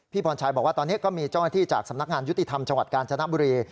พรชัยบอกว่าตอนนี้ก็มีเจ้าหน้าที่จากสำนักงานยุติธรรมจังหวัดกาญจนบุรี